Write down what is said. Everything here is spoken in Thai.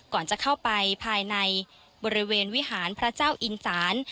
ก่อนจะเข้าไปภายในบริเวณวิหารพระเจ้าอินสาน